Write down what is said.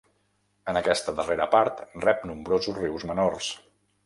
En aquesta darrera part rep nombrosos rius menors.